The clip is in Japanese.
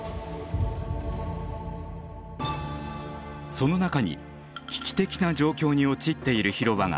その中に危機的な状況に陥っている広場がありました。